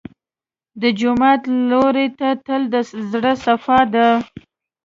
د جومات لور ته تلل د زړه صفا ده.